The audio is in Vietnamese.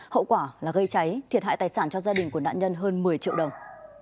hậu quả là gây cháy thiệt hại tài sản cho gia đình của nạn nhân hơn một mươi triệu đồng